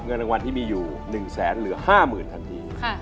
เงินทางวัลที่มีอยู่๑๕๐๐๐๐ทันทีนะครับค่ะ